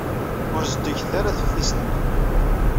Ur zeddiget ara teftist-nni.